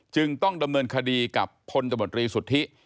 จึงต้องดำเนินคดีกับพลตมตรีสุทธิ